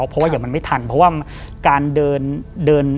เพราะว่าอย่างมันไม่ทันเพราะว่าการเดินเดิน